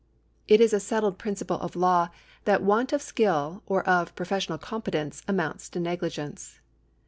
It is a settled principle of law that want of skill or of professional competence amounts to negligence.